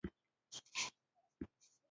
غول د هوارو سبزیجاتو ملګری دی.